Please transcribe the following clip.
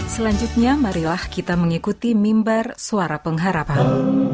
selanjutnya marilah kita mengikuti mimbar suara pengharapan